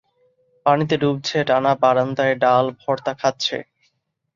পানিতে ডুবছে, টানা বারান্দায় ডাল, ভর্তা খাচ্ছে।